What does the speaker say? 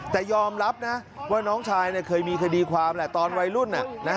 แต่ยอมรับนะว่าน้องชายเคยมีคดีความแหละตอนวัยรุ่น